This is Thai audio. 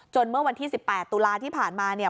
เมื่อวันที่๑๘ตุลาที่ผ่านมาเนี่ย